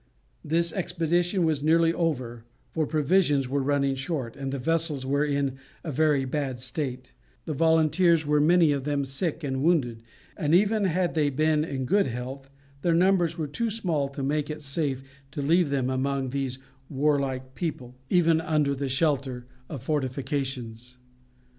This expedition was nearly over, for provisions were running short, and the vessels were in a very bad state, the volunteers were many of them sick and wounded, and even had they been in good health their numbers were too small to make it safe to leave them among these warlike people, even under the shelter of fortifications.